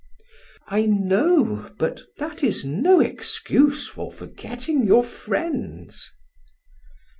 "I know, but that is no excuse for forgetting your friends."